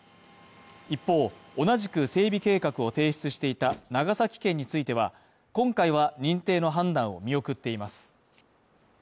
一方、同じく整備計画を提出していた長崎県については、今回は認定の判断を見送っています。